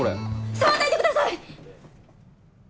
触んないでください！